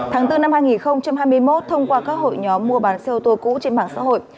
tháng bốn năm hai nghìn hai mươi một thông qua các hội nhóm mua bán xe ô tô cũ trên mạng xã hội